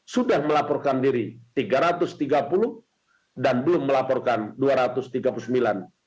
sudah melaporkan diri tiga ratus tiga puluh dan belum melaporkan dua ratus tiga puluh sembilan